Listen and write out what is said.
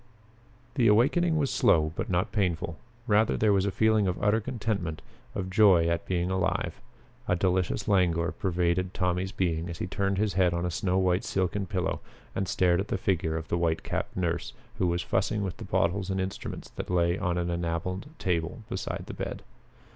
The awakening was slow, but not painful. Rather there was a feeling of utter contentment, of joy at being alive. A delicious languor pervaded Tommy's being as he turned his head on a snow white silken pillow and stared at the figure of the white capped nurse who was fussing with the bottles and instruments that lay on an enameled table beside the bed.